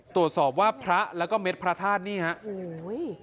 ตรวจสอบว่าพระแล้วก็เม็ดพระธาตุนี้ครับ